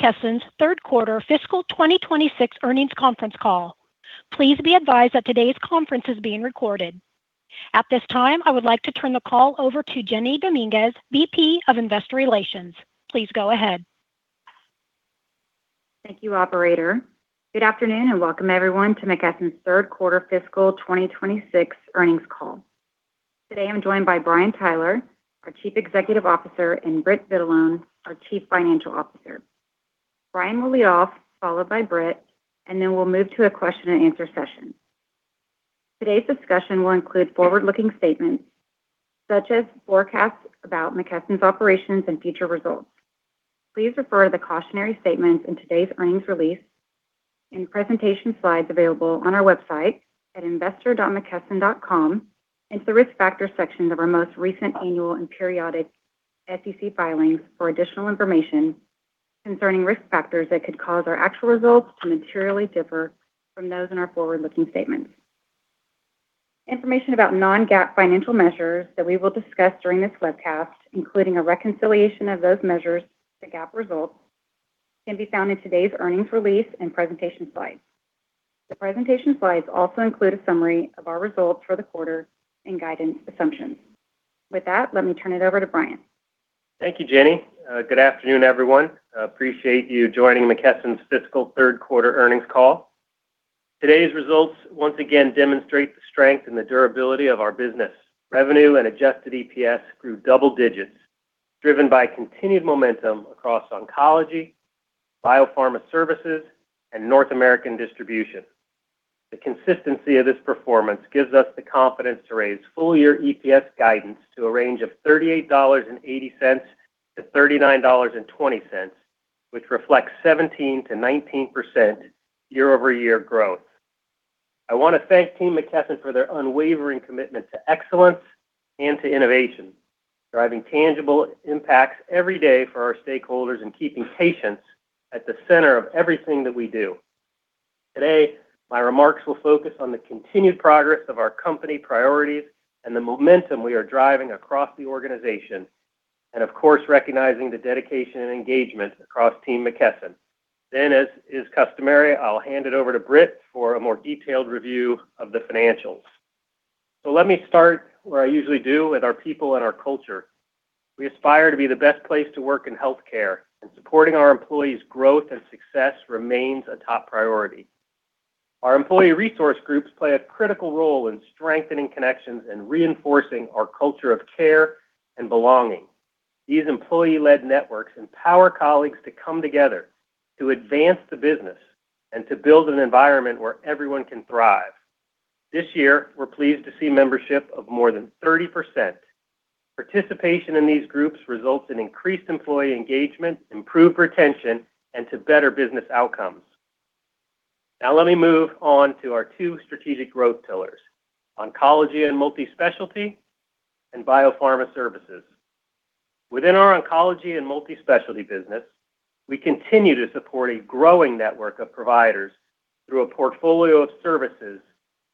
Welcome to McKesson's third quarter fiscal 2026 earnings conference call. Please be advised that today's conference is being recorded. At this time, I would like to turn the call over to Jeni Dominguez, VP of Investor Relations. Please go ahead. Thank you, operator. Good afternoon and welcome, everyone, to McKesson's third quarter fiscal 2026 earnings call. Today I'm joined by Brian Tyler, our Chief Executive Officer, and Britt Vitalone, our Chief Financial Officer. Brian will lead off, followed by Britt, and then we'll move to a question-and-answer session. Today's discussion will include forward-looking statements such as forecasts about McKesson's operations and future results. Please refer to the cautionary statements in today's earnings release and presentation slides available on our website at investor.mckesson.com and to the risk factors sections of our most recent annual and periodic SEC filings for additional information concerning risk factors that could cause our actual results to materially differ from those in our forward-looking statements. Information about non-GAAP financial measures that we will discuss during this webcast, including a reconciliation of those measures to GAAP results, can be found in today's earnings release and presentation slides. The presentation slides also include a summary of our results for the quarter and guidance assumptions. With that, let me turn it over to Brian. Thank you, Jeni. Good afternoon, everyone. Appreciate you joining McKesson's fiscal third-quarter earnings call. Today's results, once again, demonstrate the strength and the durability of our business. Revenue and adjusted EPS grew double digits, driven by continued momentum across oncology, Biopharma Services, and North American distribution. The consistency of this performance gives us the confidence to raise full-year EPS guidance to a range of $38.80-$39.20, which reflects 17%-19% year-over-year growth. I want to thank Team McKesson for their unwavering commitment to excellence and to innovation, driving tangible impacts every day for our stakeholders and keeping patients at the center of everything that we do. Today, my remarks will focus on the continued progress of our company priorities and the momentum we are driving across the organization, and of course, recognizing the dedication and engagement across Team McKesson. Then, as is customary, I'll hand it over to Britt for a more detailed review of the financials. So let me start where I usually do, with our people and our culture. We aspire to be the best place to work in healthcare, and supporting our employees' growth and success remains a top priority. Our employee resource groups play a critical role in strengthening connections and reinforcing our culture of care and belonging. These employee-led networks empower colleagues to come together to advance the business and to build an environment where everyone can thrive. This year, we're pleased to see membership of more than 30%. Participation in these groups results in increased employee engagement, improved retention, and better business outcomes. Now let me move on to our two strategic growth pillars: Oncology and Multispecialty, and Biopharma Services. Within our Oncology and Multispecialty business, we continue to support a growing network of providers through a portfolio of services,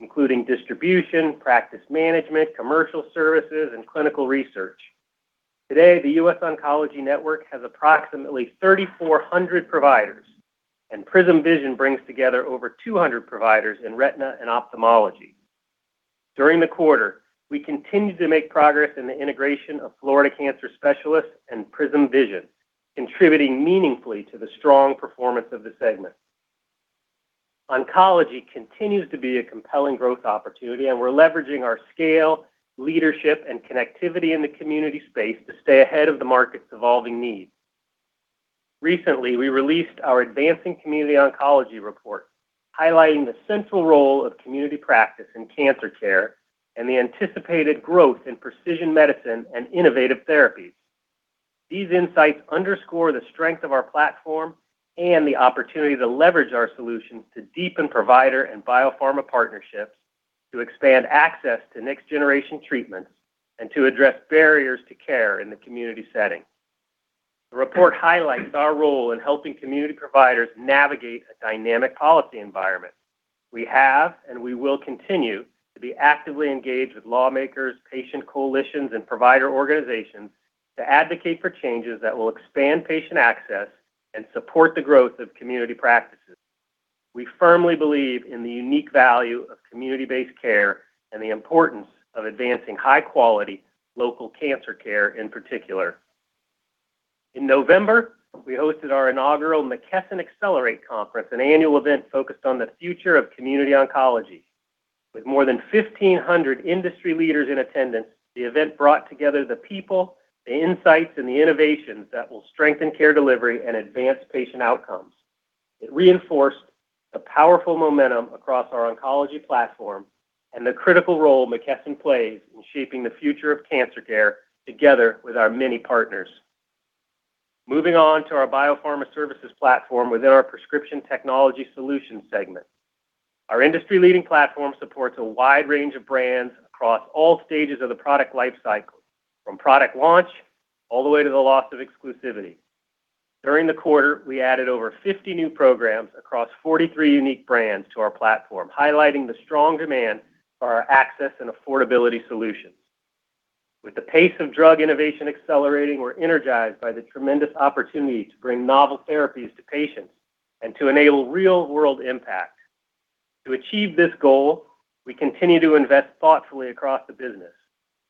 including distribution, practice management, commercial services, and clinical research. Today, the US Oncology Network has approximately 3,400 providers, and PRISM Vision brings together over 200 providers in retina and ophthalmology. During the quarter, we continue to make progress in the integration of Florida Cancer Specialists and PRISM Vision, contributing meaningfully to the strong performance of the segment. Oncology continues to be a compelling growth opportunity, and we're leveraging our scale, leadership, and connectivity in the community space to stay ahead of the market's evolving needs. Recently, we released our Advancing Community Oncology report, highlighting the central role of community practice in cancer care and the anticipated growth in precision medicine and innovative therapies. These insights underscore the strength of our platform and the opportunity to leverage our solutions to deepen provider and biopharma partnerships, to expand access to next-generation treatments, and to address barriers to care in the community setting. The report highlights our role in helping community providers navigate a dynamic policy environment. We have, and we will continue, to be actively engaged with lawmakers, patient coalitions, and provider organizations to advocate for changes that will expand patient access and support the growth of community practices. We firmly believe in the unique value of community-based care and the importance of advancing high-quality local cancer care, in particular. In November, we hosted our inaugural McKesson Accelerate Conference, an annual event focused on the future of community oncology. With more than 1,500 industry leaders in attendance, the event brought together the people, the insights, and the innovations that will strengthen care delivery and advance patient outcomes. It reinforced the powerful momentum across our oncology platform and the critical role McKesson plays in shaping the future of cancer care together with our many partners. Moving on to our Biopharma Services platform within our Prescription Technology Solutions segment. Our industry-leading platform supports a wide range of brands across all stages of the product lifecycle, from product launch all the way to the loss of exclusivity. During the quarter, we added over 50 new programs across 43 unique brands to our platform, highlighting the strong demand for our access and affordability solutions. With the pace of drug innovation accelerating, we're energized by the tremendous opportunity to bring novel therapies to patients and to enable real-world impact. To achieve this goal, we continue to invest thoughtfully across the business,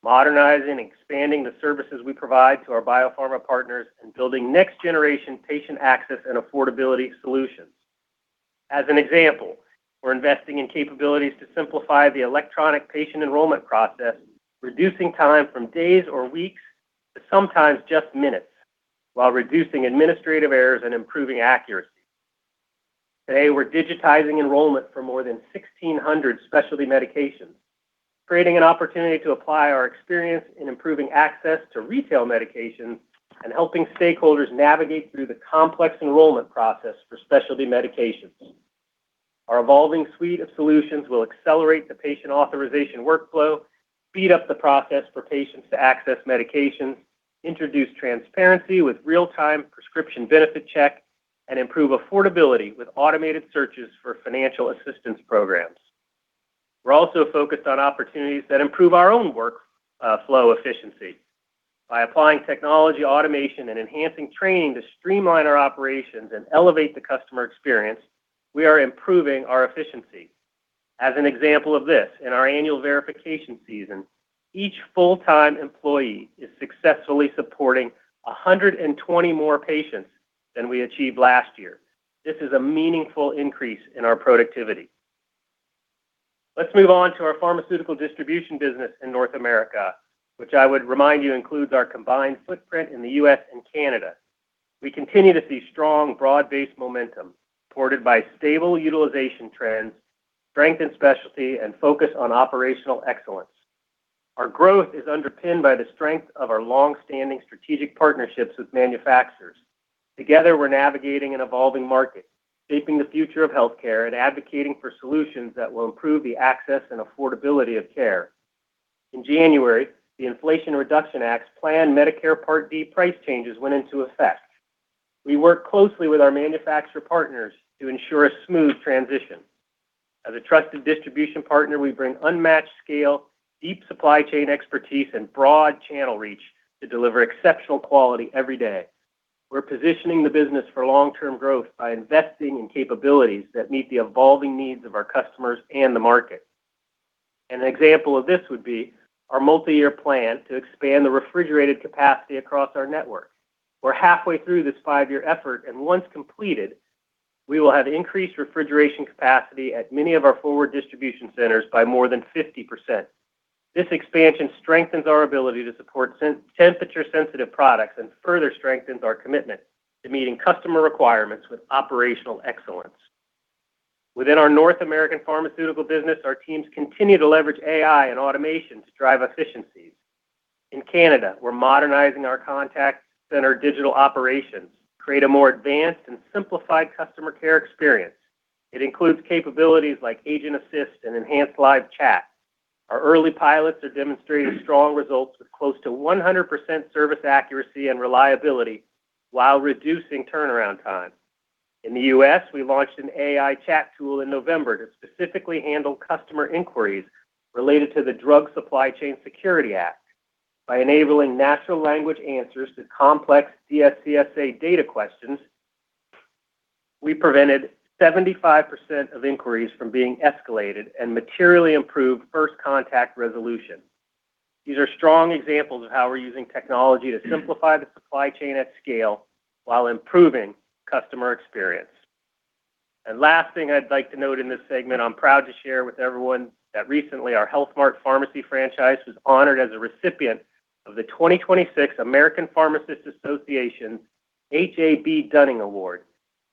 modernizing and expanding the services we provide to our biopharma partners and building next-generation patient access and affordability solutions. As an example, we're investing in capabilities to simplify the electronic patient enrollment process, reducing time from days or weeks to sometimes just minutes while reducing administrative errors and improving accuracy. Today, we're digitizing enrollment for more than 1,600 specialty medications, creating an opportunity to apply our experience in improving access to retail medications and helping stakeholders navigate through the complex enrollment process for specialty medications. Our evolving suite of solutions will accelerate the patient authorization workflow, speed up the process for patients to access medications, introduce transparency with real-time prescription benefit checks, and improve affordability with automated searches for financial assistance programs. We're also focused on opportunities that improve our own workflow efficiency. By applying technology automation and enhancing training to streamline our operations and elevate the customer experience, we are improving our efficiency. As an example of this, in our annual verification season, each full-time employee is successfully supporting 120 more patients than we achieved last year. This is a meaningful increase in our productivity. Let's move on to our pharmaceutical distribution business in North America, which I would remind you includes our combined footprint in the U.S. and Canada. We continue to see strong, broad-based momentum supported by stable utilization trends, strengthened specialty, and focus on operational excellence. Our growth is underpinned by the strength of our longstanding strategic partnerships with manufacturers. Together, we're navigating an evolving market, shaping the future of healthcare, and advocating for solutions that will improve the access and affordability of care. In January, the Inflation Reduction Act's planned Medicare Part D price changes went into effect. We work closely with our manufacturer partners to ensure a smooth transition. As a trusted distribution partner, we bring unmatched scale, deep supply chain expertise, and broad channel reach to deliver exceptional quality every day. We're positioning the business for long-term growth by investing in capabilities that meet the evolving needs of our customers and the market. An example of this would be our multi-year plan to expand the refrigerated capacity across our network. We're halfway through this five-year effort, and once completed, we will have increased refrigeration capacity at many of our forward distribution centers by more than 50%. This expansion strengthens our ability to support temperature-sensitive products and further strengthens our commitment to meeting customer requirements with operational excellence. Within our North American Pharmaceutical business, our teams continue to leverage AI and automation to drive efficiencies. In Canada, we're modernizing our contact center digital operations to create a more advanced and simplified customer care experience. It includes capabilities like agent assist and enhanced live chat. Our early pilots are demonstrating strong results with close to 100% service accuracy and reliability while reducing turnaround time. In the U.S., we launched an AI chat tool in November to specifically handle customer inquiries related to the Drug Supply Chain Security Act. By enabling natural language answers to complex DSCSA data questions, we prevented 75% of inquiries from being escalated and materially improved first-contact resolution. These are strong examples of how we're using technology to simplify the supply chain at scale while improving customer experience. Last thing I'd like to note in this segment, I'm proud to share with everyone that recently our Health Mart Pharmacy franchise was honored as a recipient of the 2026 American Pharmacists Association H.A.B. Dunning Award.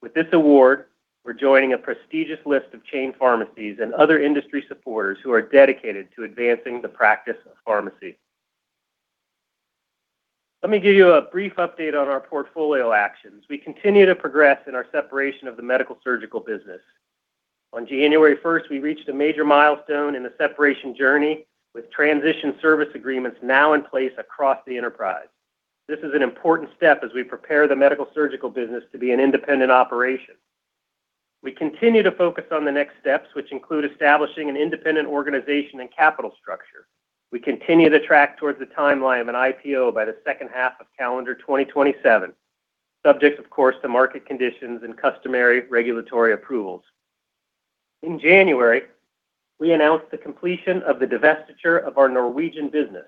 With this award, we're joining a prestigious list of chain pharmacies and other industry supporters who are dedicated to advancing the practice of pharmacy. Let me give you a brief update on our portfolio actions. We continue to progress in our separation of the Medical-Surgical business. On January 1st, we reached a major milestone in the separation journey with transition service agreements now in place across the enterprise. This is an important step as we prepare the Medical-Surgical business to be an independent operation. We continue to focus on the next steps, which include establishing an independent organization and capital structure. We continue the track towards the timeline of an IPO by the second half of calendar 2027, subject, of course, to market conditions and customary regulatory approvals. In January, we announced the completion of the divestiture of our Norwegian business,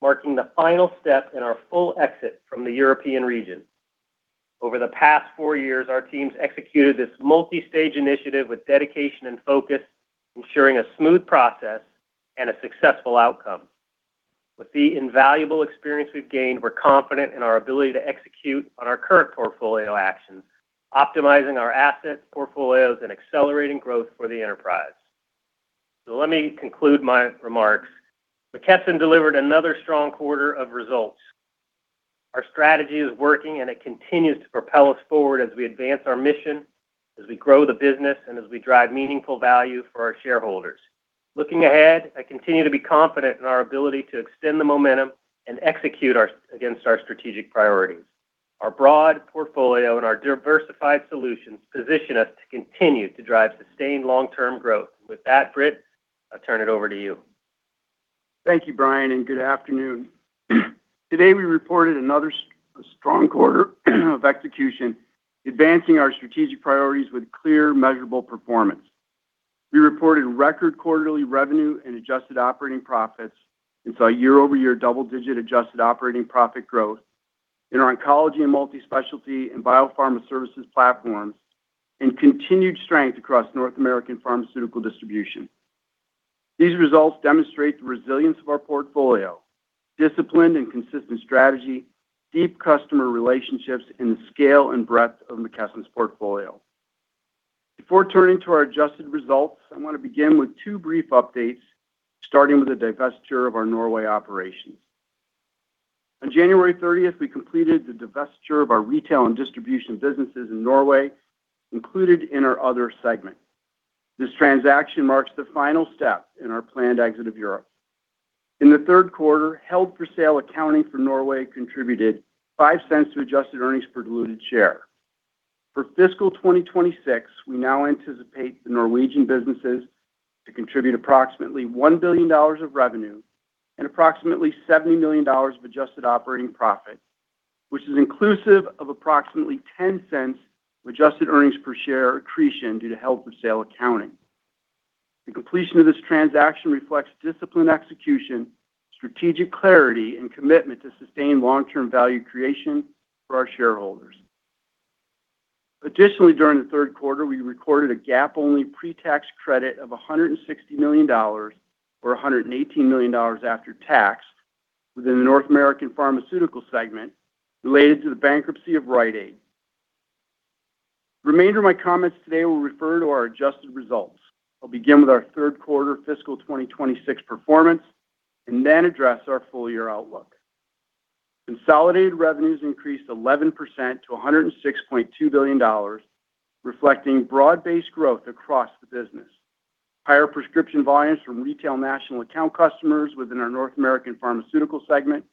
marking the final step in our full exit from the European region. Over the past four years, our teams executed this multi-stage initiative with dedication and focus, ensuring a smooth process and a successful outcome. With the invaluable experience we've gained, we're confident in our ability to execute on our current portfolio actions, optimizing our assets, portfolios, and accelerating growth for the enterprise. So let me conclude my remarks. McKesson delivered another strong quarter of results. Our strategy is working, and it continues to propel us forward as we advance our mission, as we grow the business, and as we drive meaningful value for our shareholders. Looking ahead, I continue to be confident in our ability to extend the momentum and execute against our strategic priorities. Our broad portfolio and our diversified solutions position us to continue to drive sustained long-term growth. With that, Britt, I'll turn it over to you. Thank you, Brian, and good afternoon. Today, we reported another strong quarter of execution, advancing our strategic priorities with clear, measurable performance. We reported record quarterly revenue and adjusted operating profits, and saw year-over-year double-digit adjusted operating profit growth in our Oncology and Multispecialty and Biopharma Services platforms, and continued strength across North American Pharmaceutical distribution. These results demonstrate the resilience of our portfolio, disciplined and consistent strategy, deep customer relationships, and the scale and breadth of McKesson's portfolio. Before turning to our adjusted results, I want to begin with two brief updates, starting with the divestiture of our Norway operations. On January 30th, we completed the divestiture of our retail and distribution businesses in Norway, included in our other segment. This transaction marks the final step in our planned exit of Europe. In the third quarter, held-for-sale accounting for Norway contributed $0.05 to adjusted earnings per diluted share. For fiscal 2026, we now anticipate the Norwegian businesses to contribute approximately $1 billion of revenue and approximately $70 million of adjusted operating profit, which is inclusive of approximately $0.10 of adjusted earnings per share accretion due to held-for-sale accounting. The completion of this transaction reflects disciplined execution, strategic clarity, and commitment to sustained long-term value creation for our shareholders. Additionally, during the third quarter, we recorded a gain-only pre-tax credit of $160 million or $118 million after tax within the North American Pharmaceutical segment related to the bankruptcy of Rite Aid. The remainder of my comments today will refer to our adjusted results. I'll begin with our third quarter fiscal 2026 performance and then address our full-year outlook. Consolidated revenues increased 11% to $106.2 billion, reflecting broad-based growth across the business, higher prescription volumes from retail national account customers within our North American Pharmaceutical segment,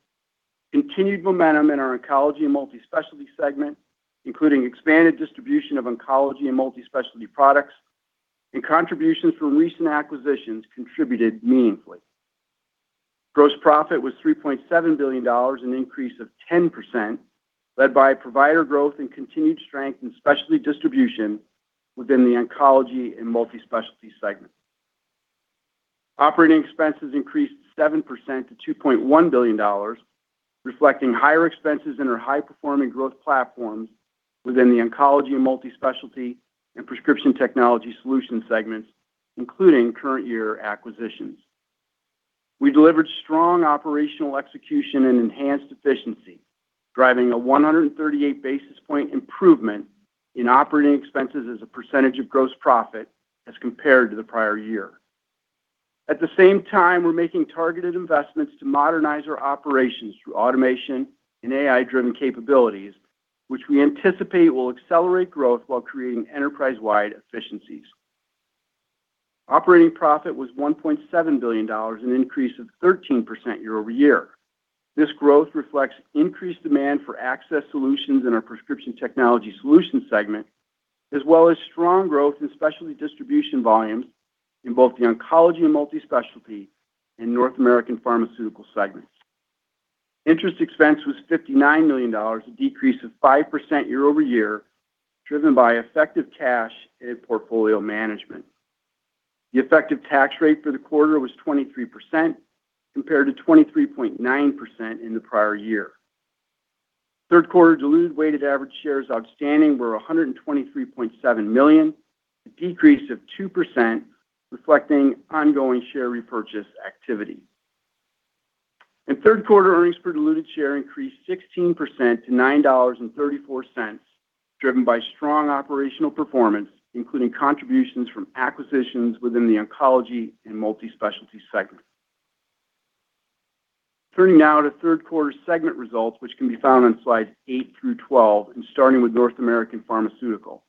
continued momentum in our Oncology and Multispecialty segment, including expanded distribution of Oncology and Multispecialty products, and contributions from recent acquisitions contributed meaningfully. Gross profit was $3.7 billion, an increase of 10%, led by provider growth and continued strength in specialty distribution within the Oncology and Multispecialty segments. Operating expenses increased 7% to $2.1 billion, reflecting higher expenses in our high-performing growth platforms within the Oncology and Multispecialty and Prescription Technology Solutions segments, including current-year acquisitions. We delivered strong operational execution and enhanced efficiency, driving a 138 basis point improvement in operating expenses as a percentage of gross profit as compared to the prior year. At the same time, we're making targeted investments to modernize our operations through automation and AI-driven capabilities, which we anticipate will accelerate growth while creating enterprise-wide efficiencies. Operating profit was $1.7 billion, an increase of 13% year-over-year. This growth reflects increased demand for access solutions in our Prescription Technology Solutions segment, as well as strong growth in specialty distribution volumes in both the Oncology and Multispecialty and North American Pharmaceutical segments. Interest expense was $59 million, a decrease of 5% year-over-year, driven by effective cash and portfolio management. The effective tax rate for the quarter was 23%, compared to 23.9% in the prior year. Third quarter dilute weighted average shares outstanding were 123.7 million, a decrease of 2%, reflecting ongoing share repurchase activity. Third quarter earnings per diluted share increased 16% to $9.34, driven by strong operational performance, including contributions from acquisitions within the Oncology and Multispecialty segments. Turning now to third quarter segment results, which can be found on slides 8 through 12, and starting with North American Pharmaceutical.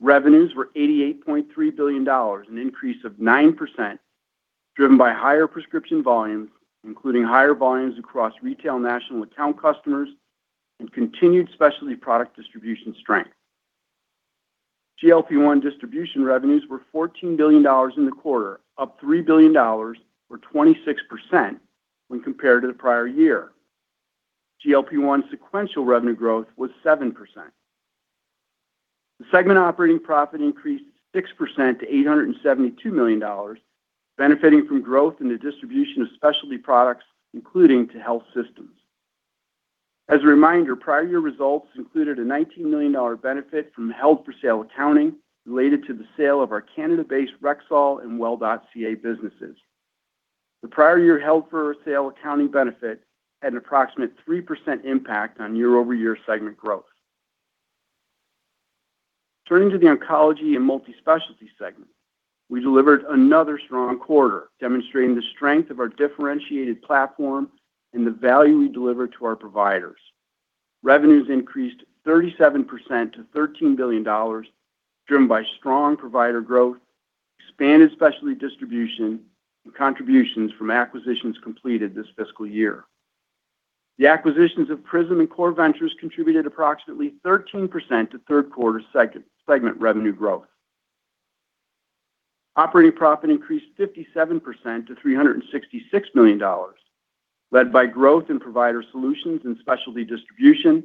Revenues were $88.3 billion, an increase of 9%, driven by higher prescription volumes, including higher volumes across retail national account customers and continued specialty product distribution strength. GLP-1 distribution revenues were $14 billion in the quarter, up $3 billion or 26% when compared to the prior year. GLP-1 sequential revenue growth was 7%. The segment operating profit increased 6% to $872 million, benefiting from growth in the distribution of specialty products, including to health systems. As a reminder, prior-year results included a $19 million benefit from held-for-sale accounting related to the sale of our Canada-based Rexall and Well.ca businesses. The prior-year held-for-sale accounting benefit had an approximate 3% impact on year-over-year segment growth. Turning to the Oncology and Multispecialty segment, we delivered another strong quarter, demonstrating the strength of our differentiated platform and the value we deliver to our providers. Revenues increased 37% to $13 billion, driven by strong provider growth, expanded specialty distribution, and contributions from acquisitions completed this fiscal year. The acquisitions of PRISM and Core Ventures contributed approximately 13% to third quarter segment revenue growth. Operating profit increased 57% to $366 million, led by growth in provider solutions and specialty distribution,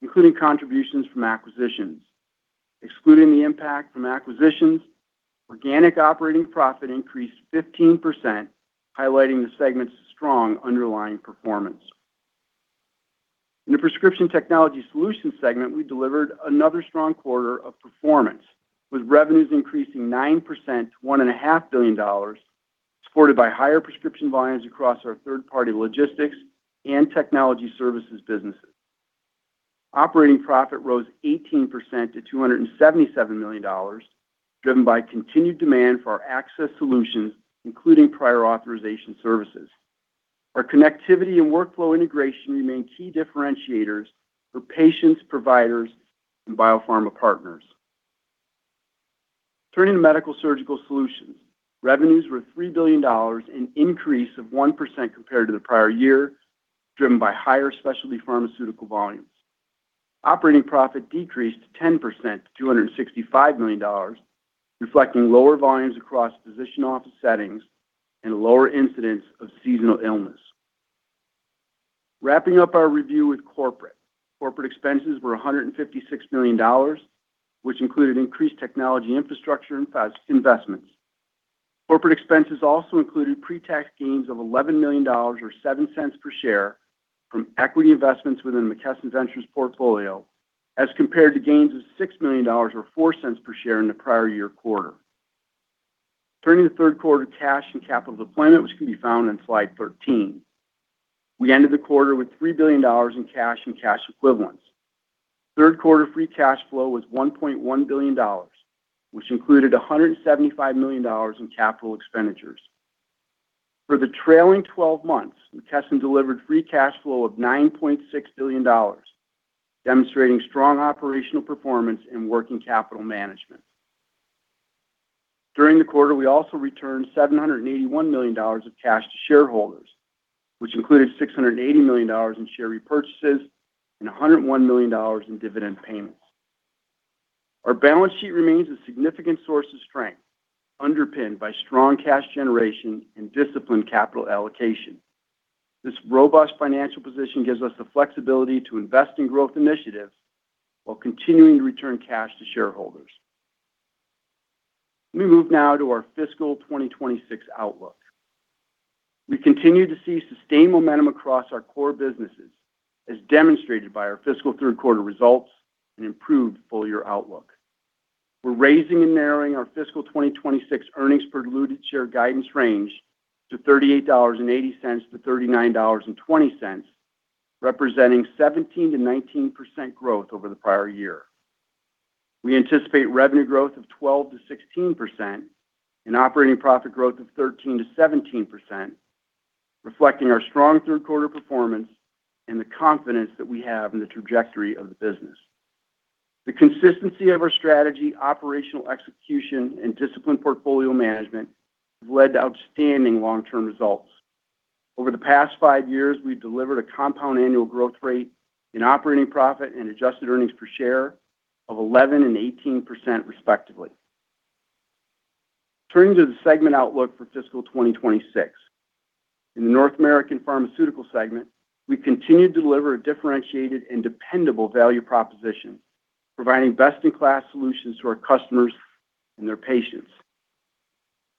including contributions from acquisitions. Excluding the impact from acquisitions, organic operating profit increased 15%, highlighting the segment's strong underlying performance. In the Prescription Technology Solutions segment, we delivered another strong quarter of performance, with revenues increasing 9% to $1.5 billion, supported by higher prescription volumes across our third-party logistics and technology services businesses. Operating profit rose 18% to $277 million, driven by continued demand for our access solutions, including prior authorization services. Our connectivity and workflow integration remain key differentiators for patients, providers, and biopharma partners. Turning to Medical-Surgical Solutions, revenues were $3 billion, an increase of 1% compared to the prior year, driven by higher specialty pharmaceutical volumes. Operating profit decreased 10% to $265 million, reflecting lower volumes across physician office settings and lower incidence of seasonal illness. Wrapping up our review with corporate, corporate expenses were $156 million, which included increased technology infrastructure and investments. Corporate expenses also included pre-tax gains of $11 million or $0.07 per share from equity investments within McKesson Ventures' portfolio, as compared to gains of $6 million or $0.04 per share in the prior-year quarter. Turning to third quarter cash and capital deployment, which can be found on slide 13. We ended the quarter with $3 billion in cash and cash equivalents. Third quarter free cash flow was $1.1 billion, which included $175 million in capital expenditures. For the trailing 12 months, McKesson delivered free cash flow of $9.6 billion, demonstrating strong operational performance and working capital management. During the quarter, we also returned $781 million of cash to shareholders, which included $680 million in share repurchases and $101 million in dividend payments. Our balance sheet remains a significant source of strength, underpinned by strong cash generation and disciplined capital allocation. This robust financial position gives us the flexibility to invest in growth initiatives while continuing to return cash to shareholders. Let me move now to our fiscal 2026 outlook. We continue to see sustained momentum across our core businesses, as demonstrated by our fiscal third quarter results and improved full-year outlook. We're raising and narrowing our fiscal 2026 earnings per diluted share guidance range to $38.80-$39.20, representing 17%-19% growth over the prior year. We anticipate revenue growth of 12%-16% and operating profit growth of 13%-17%, reflecting our strong third quarter performance and the confidence that we have in the trajectory of the business. The consistency of our strategy, operational execution, and disciplined portfolio management have led to outstanding long-term results. Over the past five years, we've delivered a compound annual growth rate in operating profit and adjusted earnings per share of 11% and 18%, respectively. Turning to the segment outlook for fiscal 2026. In the North American Pharmaceutical segment, we continue to deliver a differentiated and dependable value proposition, providing best-in-class solutions to our customers and their patients.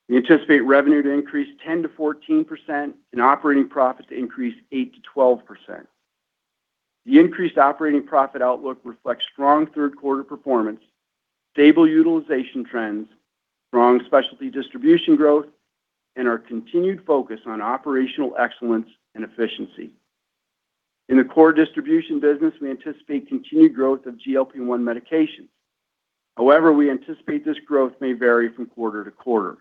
We anticipate revenue to increase 10%-14% and operating profit to increase 8%-12%. The increased operating profit outlook reflects strong third quarter performance, stable utilization trends, strong specialty distribution growth, and our continued focus on operational excellence and efficiency. In the core distribution business, we anticipate continued growth of GLP-1 medications. However, we anticipate this growth may vary from quarter to quarter.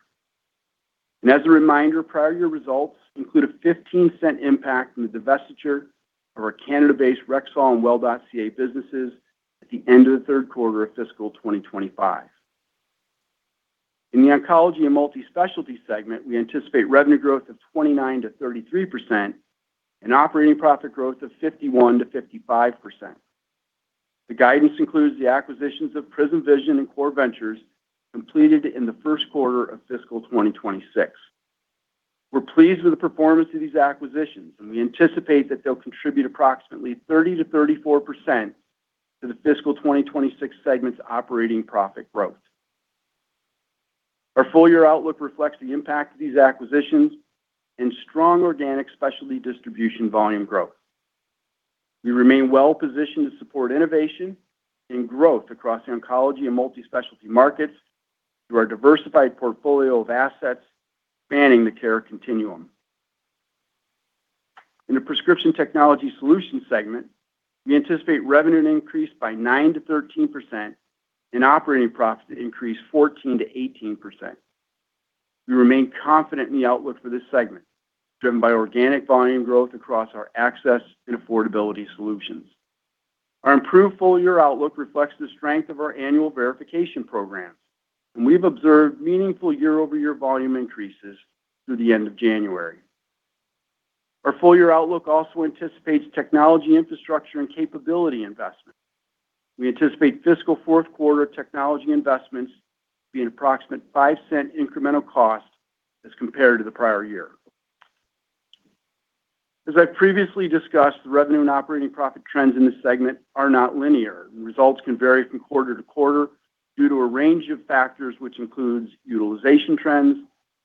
As a reminder, prior-year results include a $0.15 impact from the divestiture of our Canada-based Rexall and Well.ca businesses at the end of the third quarter of fiscal 2025. In the Oncology and Multispecialty segment, we anticipate revenue growth of 29%-33% and operating profit growth of 51%-55%. The guidance includes the acquisitions of PRISM Vision and Core Ventures completed in the first quarter of fiscal 2026. We're pleased with the performance of these acquisitions, and we anticipate that they'll contribute approximately 30%-34% to the fiscal 2026 segment's operating profit growth. Our full-year outlook reflects the impact of these acquisitions and strong organic specialty distribution volume growth. We remain well-positioned to support innovation and growth across the Oncology and Multispecialty markets through our diversified portfolio of assets spanning the care continuum. In the Prescription Technology Solutions segment, we anticipate revenue to increase by 9%-13% and operating profit to increase 14%-18%. We remain confident in the outlook for this segment, driven by organic volume growth across our access and affordability solutions. Our improved full-year outlook reflects the strength of our annual verification programs, and we've observed meaningful year-over-year volume increases through the end of January. Our full-year outlook also anticipates technology infrastructure and capability investments. We anticipate fiscal fourth quarter technology investments being approximately $0.05 incremental cost as compared to the prior year. As I've previously discussed, the revenue and operating profit trends in this segment are not linear, and results can vary from quarter to quarter due to a range of factors, which includes utilization trends,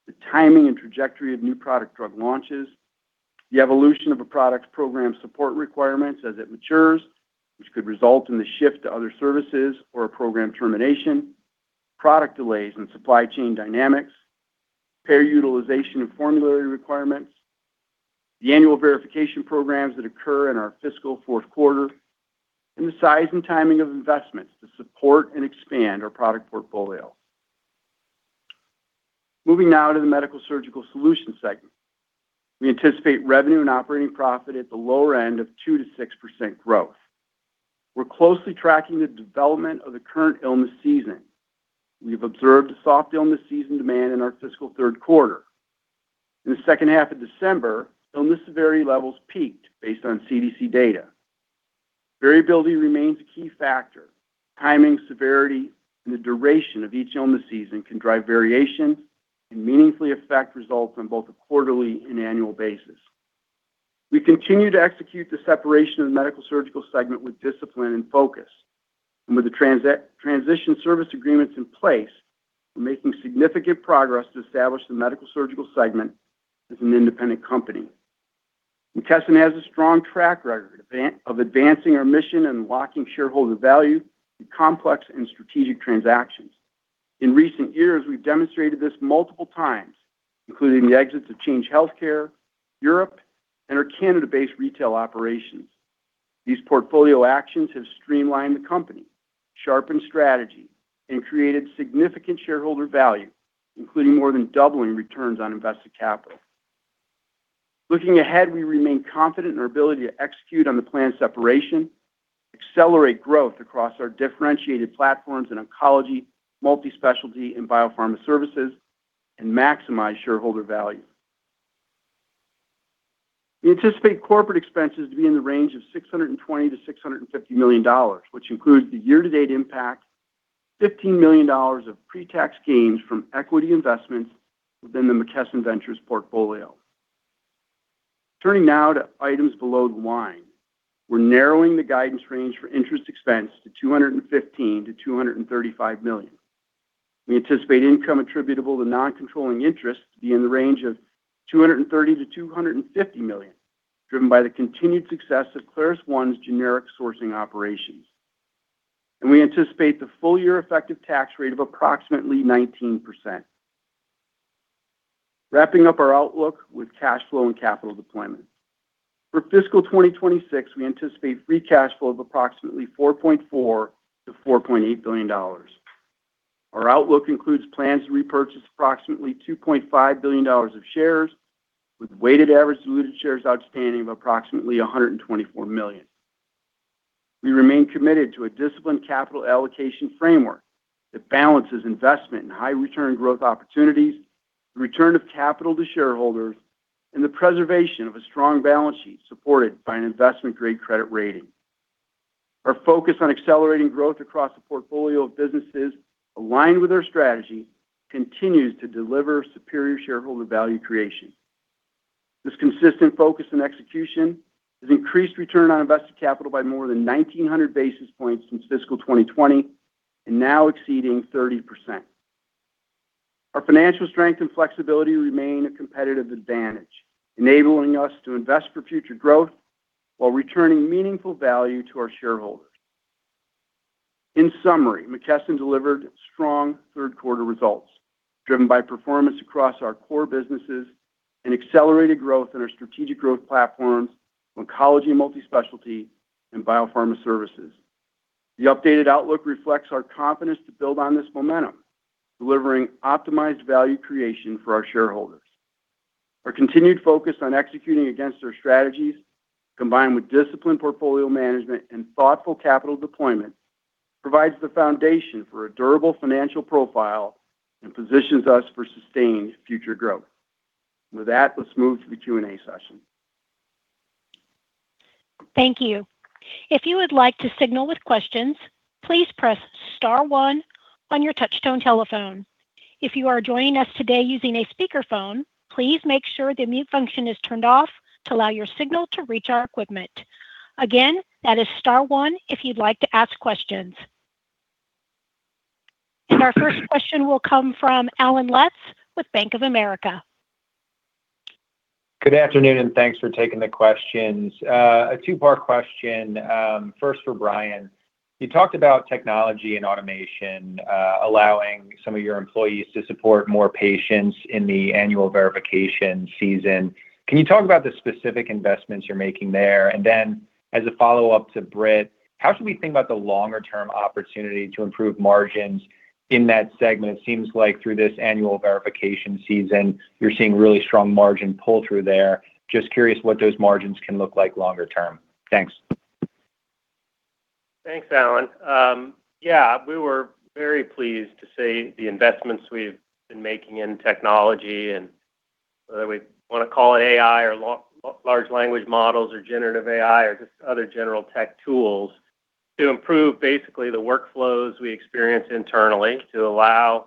the timing and trajectory of new product/drug launches, the evolution of a product/program support requirements as it matures, which could result in the shift to other services or a program termination, product delays and supply chain dynamics, payer utilization and formulary requirements, the annual verification programs that occur in our fiscal fourth quarter, and the size and timing of investments to support and expand our product portfolio. Moving now to the Medical-Surgical Solutions segment. We anticipate revenue and operating profit at the lower end of 2%-6% growth. We're closely tracking the development of the current illness season. We've observed soft illness season demand in our fiscal third quarter. In the second half of December, illness severity levels peaked based on CDC data. Variability remains a key factor. Timing, severity, and the duration of each illness season can drive variation and meaningfully affect results on both a quarterly and annual basis. We continue to execute the separation of the Medical-Surgical segment with discipline and focus. And with the transition service agreements in place, we're making significant progress to establish the Medical-Surgical segment as an independent company. McKesson has a strong track record of advancing our mission and unlocking shareholder value through complex and strategic transactions. In recent years, we've demonstrated this multiple times, including the exits of Change Healthcare, Europe, and our Canada-based retail operations. These portfolio actions have streamlined the company, sharpened strategy, and created significant shareholder value, including more than doubling returns on invested capital. Looking ahead, we remain confident in our ability to execute on the planned separation, accelerate growth across our differentiated platforms in oncology, multispecialty, and Biopharma Services, and maximize shareholder value. We anticipate corporate expenses to be in the range of $620 million-$650 million, which includes the year-to-date impact, $15 million of pre-tax gains from equity investments within the McKesson Ventures portfolio. Turning now to items below the line. We're narrowing the guidance range for interest expense to $215 million-$235 million. We anticipate income attributable to non-controlling interest to be in the range of $230 million-$250 million, driven by the continued success of ClarusONE's generic sourcing operations. And we anticipate the full-year effective tax rate of approximately 19%. Wrapping up our outlook with cash flow and capital deployment. For fiscal 2026, we anticipate free cash flow of approximately $4.4 billion-$4.8 billion. Our outlook includes plans to repurchase approximately $2.5 billion of shares, with weighted average diluted shares outstanding of approximately 124 million. We remain committed to a disciplined capital allocation framework that balances investment and high-return growth opportunities, the return of capital to shareholders, and the preservation of a strong balance sheet supported by an investment-grade credit rating. Our focus on accelerating growth across the portfolio of businesses aligned with our strategy continues to deliver superior shareholder value creation. This consistent focus and execution has increased return on invested capital by more than 1,900 basis points since fiscal 2020 and now exceeding 30%. Our financial strength and flexibility remain a competitive advantage, enabling us to invest for future growth while returning meaningful value to our shareholders. In summary, McKesson delivered strong third quarter results, driven by performance across our core businesses and accelerated growth in our strategic growth platforms in Oncology and Multispecialty and Biopharma Services. The updated outlook reflects our confidence to build on this momentum, delivering optimized value creation for our shareholders. Our continued focus on executing against our strategies, combined with disciplined portfolio management and thoughtful capital deployment, provides the foundation for a durable financial profile and positions us for sustained future growth. With that, let's move to the Q&A session. Thank you. If you would like to signal with questions, please press star one on your touchtone telephone. If you are joining us today using a speakerphone, please make sure the mute function is turned off to allow your signal to reach our equipment. Again, that is star one if you'd like to ask questions. Our first question will come from Allen Lutz with Bank of America. Good afternoon, and thanks for taking the questions. A two-part question. First for Brian. You talked about technology and automation allowing some of your employees to support more patients in the annual verification season. Can you talk about the specific investments you're making there? And then, as a follow-up to Britt, how should we think about the longer-term opportunity to improve margins in that segment? It seems like through this annual verification season, you're seeing really strong margin pull-through there. Just curious what those margins can look like longer term. Thanks. Thanks, Allen. Yeah, we were very pleased to see the investments we've been making in technology, and whether we want to call it AI or large language models or generative AI or just other general tech tools, to improve basically the workflows we experience internally to allow,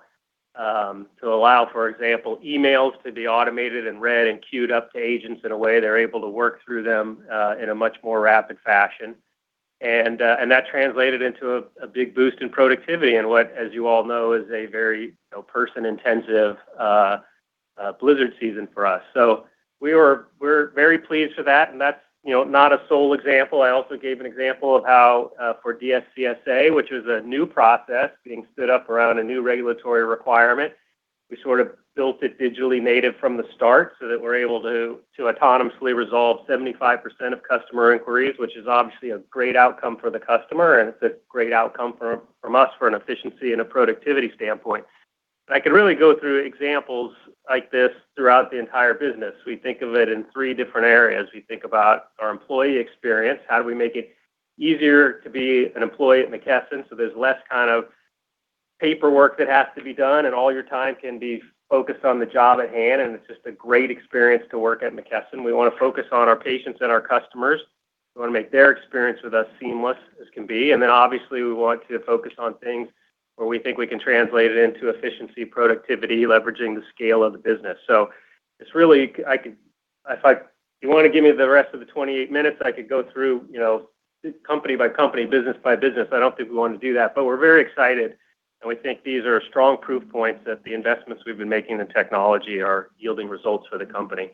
for example, emails to be automated and read and queued up to agents in a way they're able to work through them in a much more rapid fashion. And that translated into a big boost in productivity in what, as you all know, is a very person-intensive blizzard season for us. So we're very pleased with that. And that's not a sole example. I also gave an example of how, for DSCSA, which is a new process being stood up around a new regulatory requirement, we sort of built it digitally native from the start so that we're able to autonomously resolve 75% of customer inquiries, which is obviously a great outcome for the customer, and it's a great outcome from us from an efficiency and a productivity standpoint. But I could really go through examples like this throughout the entire business. We think of it in three different areas. We think about our employee experience. How do we make it easier to be an employee at McKesson so there's less kind of paperwork that has to be done, and all your time can be focused on the job at hand? It's just a great experience to work at McKesson. We want to focus on our patients and our customers. We want to make their experience with us seamless as can be. And then, obviously, we want to focus on things where we think we can translate it into efficiency, productivity, leveraging the scale of the business. So it's really if you want to give me the rest of the 28 minutes, I could go through company by company, business by business. I don't think we want to do that. But we're very excited, and we think these are strong proof points that the investments we've been making in technology are yielding results for the company.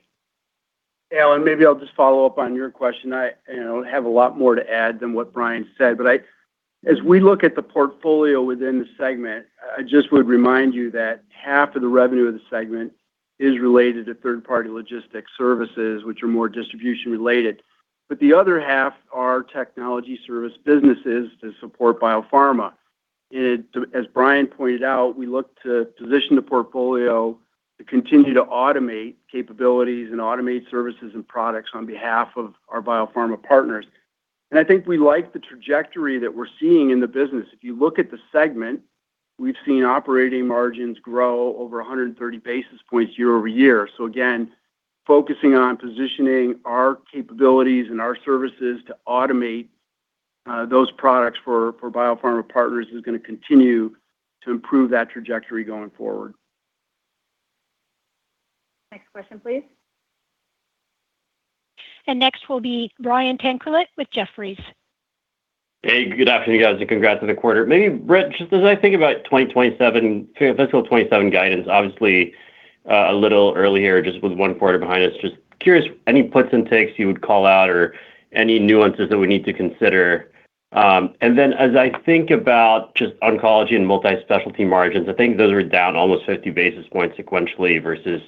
Yeah, Allen, maybe I'll just follow up on your question. I have a lot more to add than what Brian said. But as we look at the portfolio within the segment, I just would remind you that half of the revenue of the segment is related to third-party logistics services, which are more distribution-related. But the other half are technology service businesses to support biopharma. And as Brian pointed out, we look to position the portfolio to continue to automate capabilities and automate services and products on behalf of our biopharma partners. And I think we like the trajectory that we're seeing in the business. If you look at the segment, we've seen operating margins grow over 130 basis points year-over-year. So again, focusing on positioning our capabilities and our services to automate those products for biopharma partners is going to continue to improve that trajectory going forward. Next question, please. And next will be Brian Tanquilut with Jefferies. Hey, good afternoon, guys, and congrats on the quarter. Maybe, Britt, just as I think about fiscal 2027 guidance, obviously, a little earlier just with one quarter behind us, just curious any puts and takes you would call out or any nuances that we need to consider. And then, as I think about just Oncology and Multispecialty margins, I think those were down almost 50 basis points sequentially versus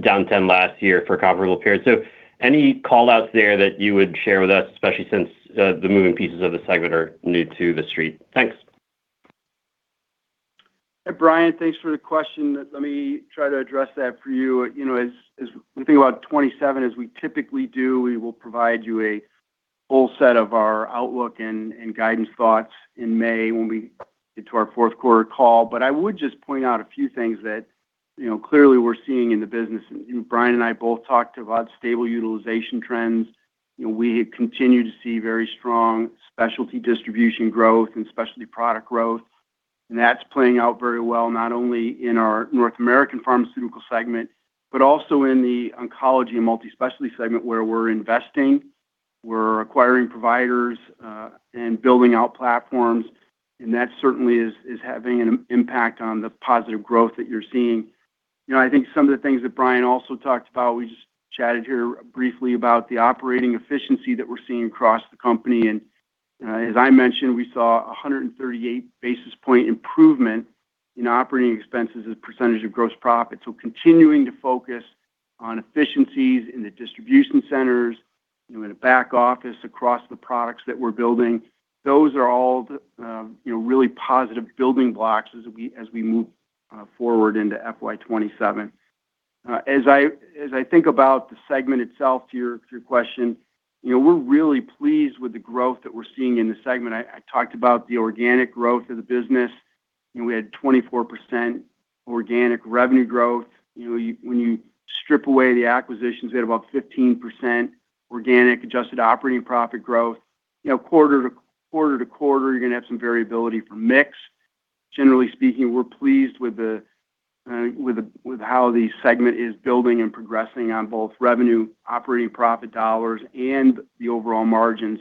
down 10 last year for a comparable period. So any callouts there that you would share with us, especially since the moving pieces of the segment are new to the street? Thanks. Hey, Brian. Thanks for the question. Let me try to address that for you. As we think about 2027, as we typically do, we will provide you a full set of our outlook and guidance thoughts in May when we get to our fourth quarter call. But I would just point out a few things that clearly we're seeing in the business. Brian and I both talked about stable utilization trends. We continue to see very strong specialty distribution growth and specialty product growth. And that's playing out very well, not only in our North American Pharmaceutical segment but also in the Oncology and Multispecialty segment where we're investing. We're acquiring providers and building out platforms. And that certainly is having an impact on the positive growth that you're seeing. I think some of the things that Brian also talked about, we just chatted here briefly about the operating efficiency that we're seeing across the company. And as I mentioned, we saw a 138-basis-point improvement in operating expenses as a percentage of gross profit. Continuing to focus on efficiencies in the distribution centers, in a back office across the products that we're building, those are all really positive building blocks as we move forward into FY 2027. As I think about the segment itself, to your question, we're really pleased with the growth that we're seeing in the segment. I talked about the organic growth of the business. We had 24% organic revenue growth. When you strip away the acquisitions, we had about 15% organic adjusted operating profit growth. Quarter-to-quarter, you're going to have some variability for mix. Generally speaking, we're pleased with how the segment is building and progressing on both revenue, operating profit dollars, and the overall margins.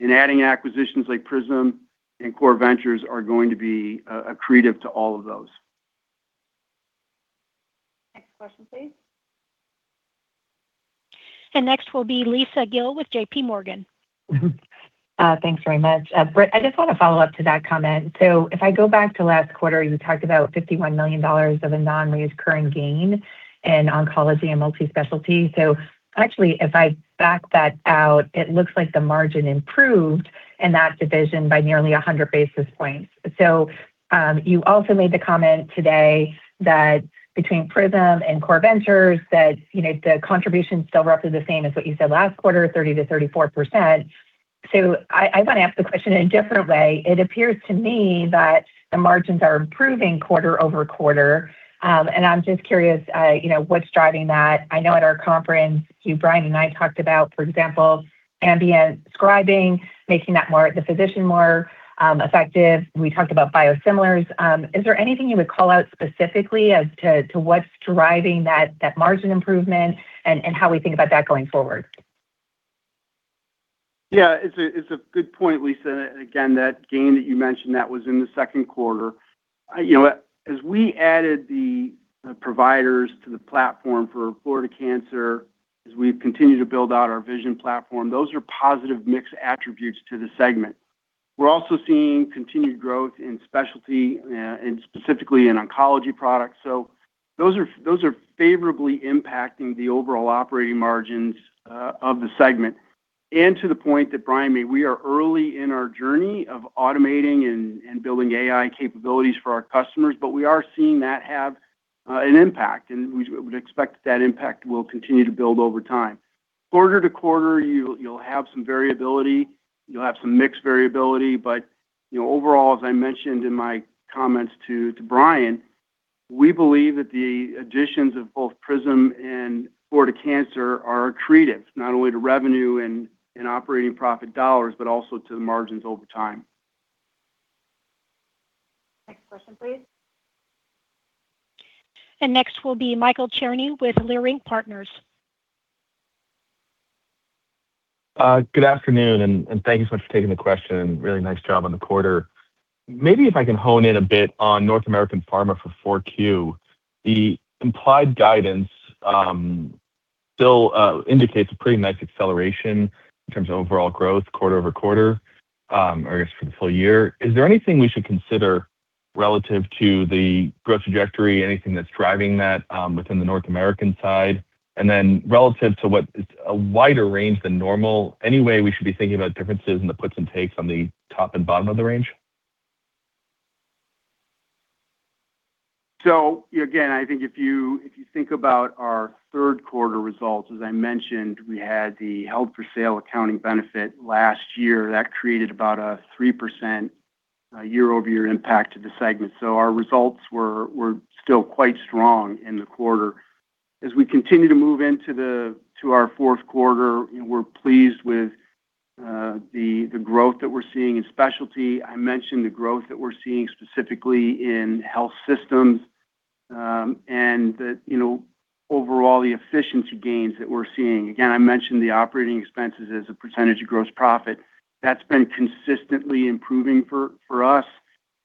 Adding acquisitions like PRISM and Core Ventures are going to be accretive to all of those. Next question, please. Next will be Lisa Gill with JPMorgan. Thanks very much. Britt, I just want to follow up to that comment. So if I go back to last quarter, you talked about $51 million of a non-recurring gain in Oncology and Multispecialty. So actually, if I back that out, it looks like the margin improved in that division by nearly 100 basis points. So you also made the comment today that between PRISM and Core Ventures, that the contribution is still roughly the same as what you said last quarter, 30%-34%. So I want to ask the question in a different way. It appears to me that the margins are improving quarter-over-quarter. And I'm just curious what's driving that. I know at our conference, you, Brian, and I talked about, for example, ambient scribing, making the physician more effective. We talked about biosimilars. Is there anything you would call out specifically as to what's driving that margin improvement and how we think about that going forward? Yeah, it's a good point, Lisa. And again, that gain that you mentioned that was in the second quarter. As we added the providers to the platform for Florida Cancer, as we've continued to build out our vision platform, those are positive mixed attributes to the segment. We're also seeing continued growth in specialty, and specifically in oncology products. So those are favorably impacting the overall operating margins of the segment. And to the point that Brian made, we are early in our journey of automating and building AI capabilities for our customers, but we are seeing that have an impact. And we would expect that impact will continue to build over time. Quarter to quarter, you'll have some variability. You'll have some mixed variability. Overall, as I mentioned in my comments to Brian, we believe that the additions of both PRISM and Florida Cancer are accretive, not only to revenue and operating profit dollars but also to the margins over time. Next question, please. Next will be Michael Cherny with Leerink Partners. Good afternoon, and thank you so much for taking the question. Really nice job on the quarter. Maybe if I can hone in a bit on North American Pharma for 4Q, the implied guidance still indicates a pretty nice acceleration in terms of overall growth quarter-over-quarter, or I guess for the full year. Is there anything we should consider relative to the growth trajectory, anything that's driving that within the North American side? And then, relative to what is a wider range than normal, any way we should be thinking about differences in the puts and takes on the top and bottom of the range? So again, I think if you think about our third quarter results, as I mentioned, we had the held-for-sale accounting benefit last year. That created about a 3% year-over-year impact to the segment. So our results were still quite strong in the quarter. As we continue to move into our fourth quarter, we're pleased with the growth that we're seeing in specialty. I mentioned the growth that we're seeing specifically in health systems and overall the efficiency gains that we're seeing. Again, I mentioned the operating expenses as a percentage of gross profit. That's been consistently improving for us.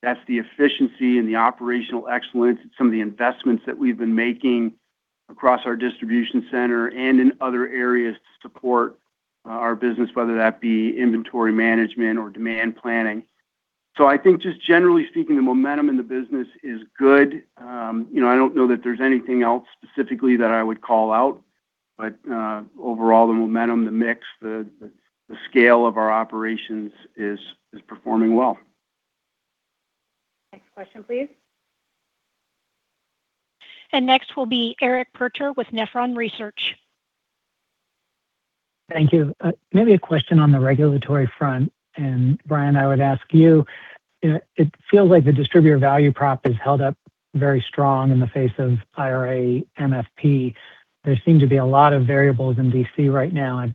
That's the efficiency and the operational excellence. It's some of the investments that we've been making across our distribution center and in other areas to support our business, whether that be inventory management or demand planning. So I think just generally speaking, the momentum in the business is good. I don't know that there's anything else specifically that I would call out. But overall, the momentum, the mix, the scale of our operations is performing well. Next question, please. And next will be Eric Percher with Nephron Research. Thank you. Maybe a question on the regulatory front. And Brian, I would ask you, it feels like the distributor value prop is held up very strong in the face of IRA, MFP. There seem to be a lot of variables in D.C. right now. I'd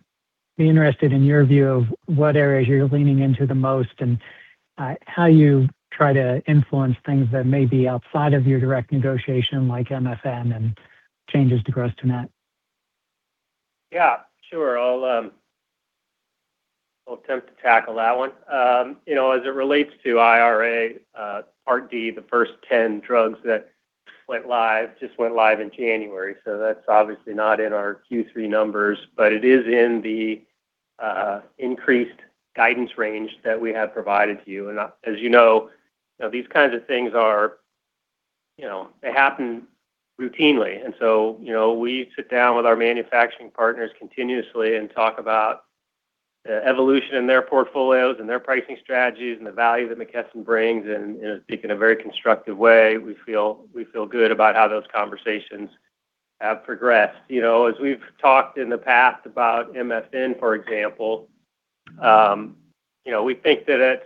be interested in your view of what areas you're leaning into the most and how you try to influence things that may be outside of your direct negotiation like MFN and changes to gross to net. Yeah, sure. I'll attempt to tackle that one. As it relates to IRA, Part D, the first 10 drugs that went live just went live in January. So that's obviously not in our Q3 numbers, but it is in the increased guidance range that we have provided to you. And as you know, these kinds of things are they happen routinely. And so we sit down with our manufacturing partners continuously and talk about the evolution in their portfolios and their pricing strategies and the value that McKesson brings. And speak in a very constructive way, we feel good about how those conversations have progressed. As we've talked in the past about MFN, for example, we think that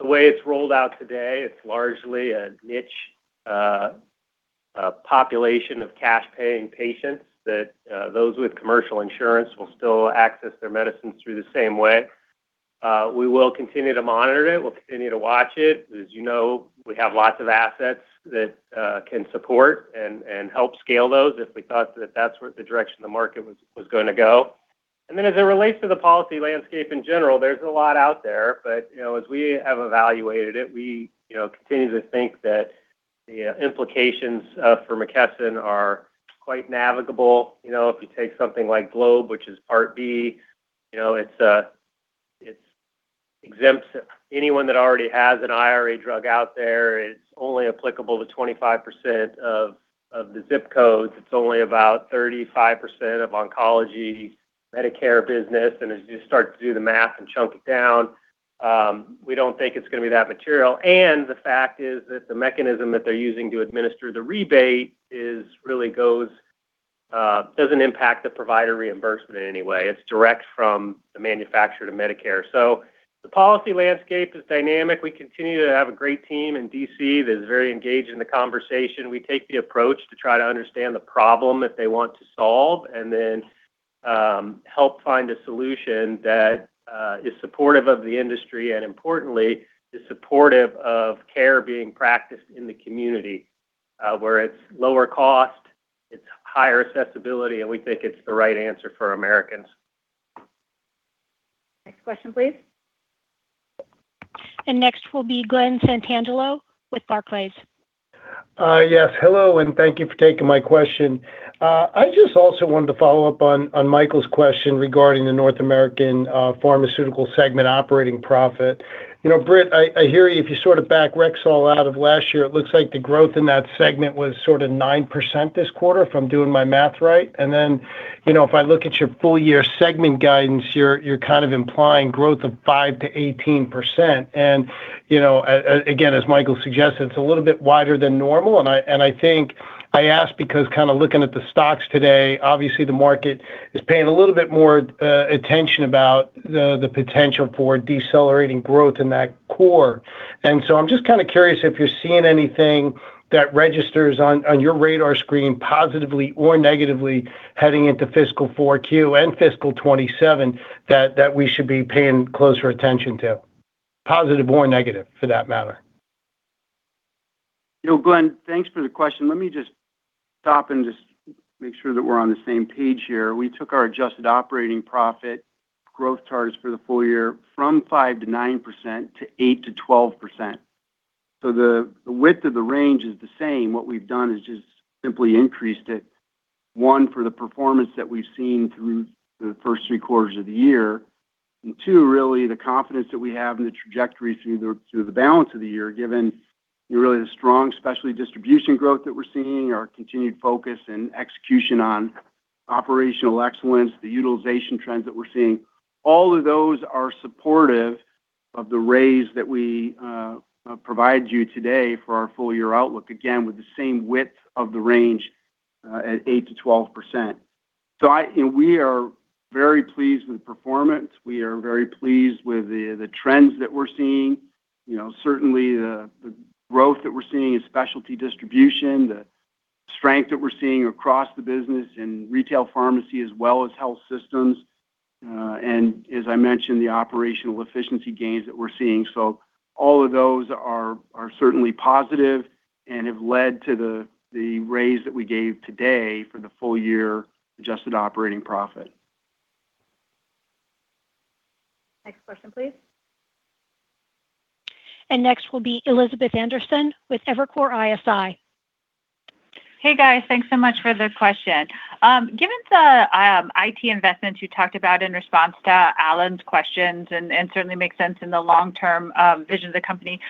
the way it's rolled out today, it's largely a niche population of cash-paying patients that those with commercial insurance will still access their medicines through the same way. We will continue to monitor it. We'll continue to watch it. As you know, we have lots of assets that can support and help scale those if we thought that that's the direction the market was going to go. And then as it relates to the policy landscape in general, there's a lot out there. But as we have evaluated it, we continue to think that the implications for McKesson are quite navigable. If you take something like Globe, which is Part B, it exempts anyone that already has an IRA drug out there. It's only applicable to 25% of the ZIP codes. It's only about 35% of oncology Medicare business. As you start to do the math and chunk it down, we don't think it's going to be that material. The fact is that the mechanism that they're using to administer the rebate really doesn't impact the provider reimbursement in any way. It's direct from the manufacturer to Medicare. The policy landscape is dynamic. We continue to have a great team in D.C. that is very engaged in the conversation. We take the approach to try to understand the problem that they want to solve and then help find a solution that is supportive of the industry and, importantly, is supportive of care being practiced in the community where it's lower cost, it's higher accessibility, and we think it's the right answer for Americans. Next question, please. Next will be Glen Santangelo with Barclays. Yes. Hello, and thank you for taking my question. I just also wanted to follow up on Michael's question regarding the North American Pharmaceutical segment operating profit. Britt, I hear you. If you sort of back Rexall out of last year, it looks like the growth in that segment was sort of 9% this quarter, if I'm doing my math right. And then if I look at your full-year segment guidance, you're kind of implying growth of 5%-18%. And again, as Michael suggested, it's a little bit wider than normal. And I think I ask because kind of looking at the stocks today, obviously, the market is paying a little bit more attention about the potential for decelerating growth in that core. And so I'm just kind of curious if you're seeing anything that registers on your radar screen positively or negatively heading into fiscal 4Q and fiscal 2027 that we should be paying closer attention to, positive or negative for that matter? Glen, thanks for the question. Let me just stop and just make sure that we're on the same page here. We took our adjusted operating profit growth charts for the full year from 5%-9% to 8%-12%. So the width of the range is the same. What we've done is just simply increased it, one, for the performance that we've seen through the first three quarters of the year, and two, really, the confidence that we have in the trajectory through the balance of the year, given really the strong specialty distribution growth that we're seeing, our continued focus and execution on operational excellence, the utilization trends that we're seeing. All of those are supportive of the raise that we provide you today for our full-year outlook, again, with the same width of the range at 8%-12%. So we are very pleased with the performance. We are very pleased with the trends that we're seeing. Certainly, the growth that we're seeing in specialty distribution, the strength that we're seeing across the business in retail pharmacy as well as health systems, and as I mentioned, the operational efficiency gains that we're seeing. So all of those are certainly positive and have led to the raise that we gave today for the full-year adjusted operating profit. Next question, please. And next will be Elizabeth Anderson with Evercore ISI. Hey, guys. Thanks so much for the question. Given the IT investments you talked about in response to Allen's questions and certainly make sense in the long-term vision of the company,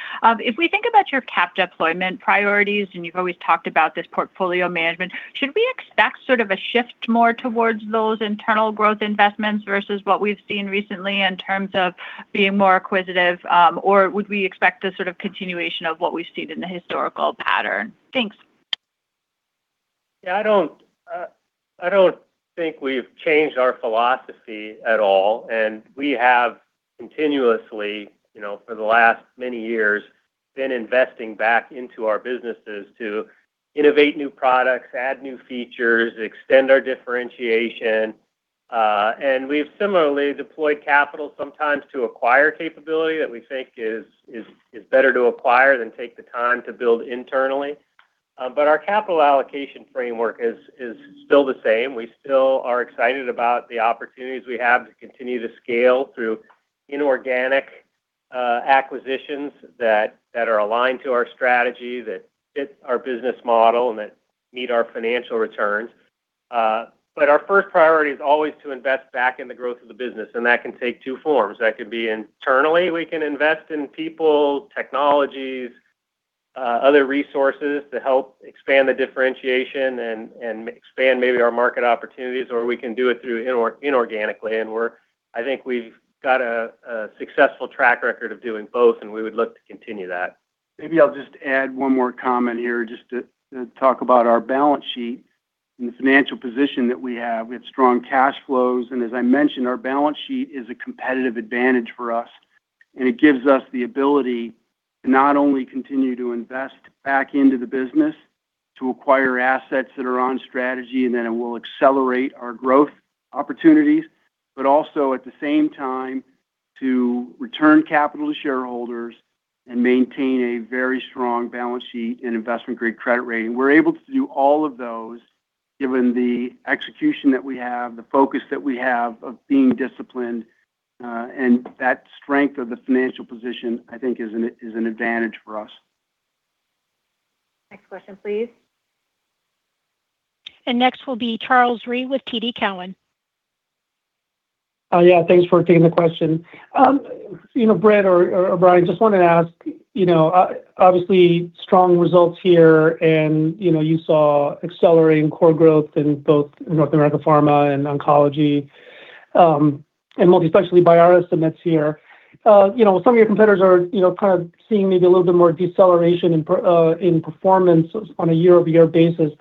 if we think about your capital allocation priorities - and you've always talked about this portfolio management - should we expect sort of a shift more towards those internal growth investments versus what we've seen recently in terms of being more acquisitive? Or would we expect a sort of continuation of what we've seen in the historical pattern? Thanks. Yeah, I don't think we've changed our philosophy at all. And we have continuously, for the last many years, been investing back into our businesses to innovate new products, add new features, extend our differentiation. And we've similarly deployed capital sometimes to acquire capability that we think is better to acquire than take the time to build internally. But our capital allocation framework is still the same. We still are excited about the opportunities we have to continue to scale through inorganic acquisitions that are aligned to our strategy, that fit our business model, and that meet our financial returns. But our first priority is always to invest back in the growth of the business. And that can take two forms. That could be internally, we can invest in people, technologies, other resources to help expand the differentiation and expand maybe our market opportunities. Or we can do it inorganically. And I think we've got a successful track record of doing both, and we would look to continue that. Maybe I'll just add one more comment here just to talk about our balance sheet and the financial position that we have. We have strong cash flows. And as I mentioned, our balance sheet is a competitive advantage for us. And it gives us the ability to not only continue to invest back into the business, to acquire assets that are on strategy, and then it will accelerate our growth opportunities, but also at the same time to return capital to shareholders and maintain a very strong balance sheet and investment-grade credit rating. We're able to do all of those given the execution that we have, the focus that we have of being disciplined, and that strength of the financial position, I think, is an advantage for us. Next question, please. And next will be Charles Rhyee with TD Cowen. Yeah, thanks for taking the question. Britt or Brian, just want to ask, obviously, strong results here, and you saw accelerating core growth in both North American Pharma and Oncology and Multispecialty business that's here. Some of your competitors are kind of seeing maybe a little bit more deceleration in performance on a year-over-year basis.